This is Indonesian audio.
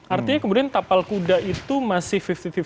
artinya kemudian tapal kuda itu masih lima puluh lima puluh